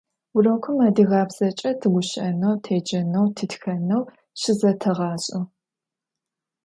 Vurokım adıgabzeç'e tıguşı'eneu, têceneu, tıtxeneu şızeteğaş'e.